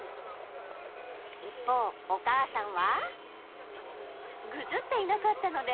［一方お母さんは］